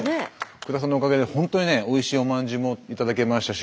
福田さんのおかげでほんとにねおいしいおまんじゅうも頂けましたし